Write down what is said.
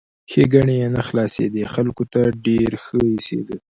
ښېګڼې یې نه خلاصېدې ، خلکو ته ډېر ښه ایسېدی!